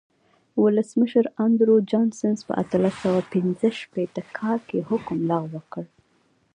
ولسمشر اندرو جانسن په اتلس سوه پنځه شپېته کال کې حکم لغوه کړ.